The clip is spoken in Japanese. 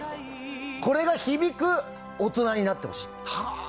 これが響く大人になってほしい。